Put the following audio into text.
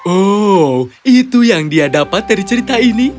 oh itu yang dia dapat dari cerita ini